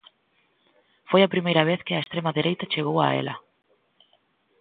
Foi a primeira vez que a extrema dereita chegou a ela.